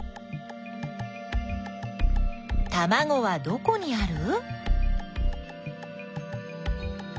たまごはどこにある？